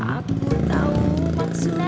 aku tahu maksudnya